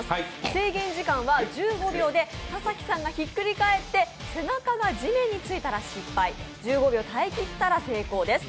制限時間は１５秒で田崎さんがひっくり返って背中が地面についたら失敗、１５秒耐え切ったら成功です。